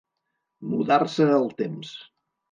Mudar-se el temps.